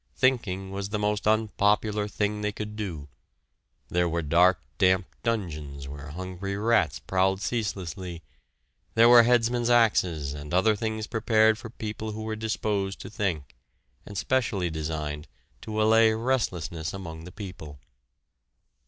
Thinking was the most unpopular thing they could do. There were dark damp dungeons where hungry rats prowled ceaselessly; there were headsmen's axes and other things prepared for people who were disposed to think and specially designed to allay restlessness among the people.